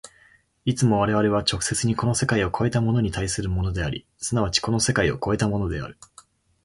いつも我々は直接にこの世界を越えたものに対するものであり、即ちこの世界を越えたものである。